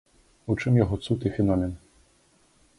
У чым яго цуд і феномен?